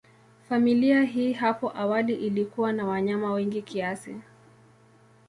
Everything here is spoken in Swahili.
Familia hii hapo awali ilikuwa na wanyama wengi kiasi.